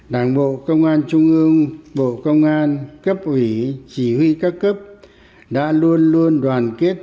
đảng bộ công an trung ương bộ công an cấp ủy chỉ huy các cấp đã luôn luôn đoàn kết